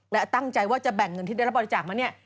และตั้งใจว่าจะแบ่งเงินที่ได้รับบริจาคมาเนี่ย